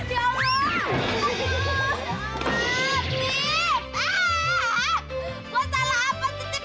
gue salah apa sih steve